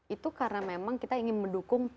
itu karena memang kita ingin mendukung